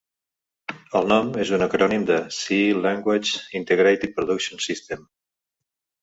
El nom és un acrònim de C Language Integrated Production System.